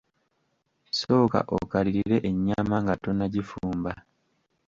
Sooka okalirire ennyama nga tonnagifumba.